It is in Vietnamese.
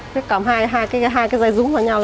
phải cầm hai cái dây dúng vào nhau